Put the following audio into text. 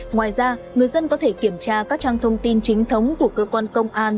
ngoài ra người dân có thể kiểm tra các trang thông tin chính thống của cơ quan công an